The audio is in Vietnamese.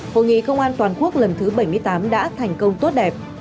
hội nghị công an toàn quốc lần thứ bảy mươi tám đã thành công tốt đẹp